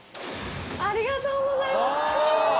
ありがとうございます。